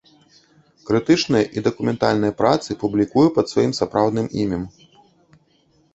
Крытычныя і дакументальныя працы публікуе пад сваім сапраўдным імем.